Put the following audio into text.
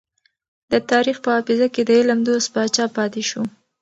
د تاريخ په حافظه کې د علم دوست پاچا پاتې شو.